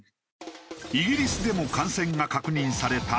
イギリスでも感染が確認されたＢＡ．２．７５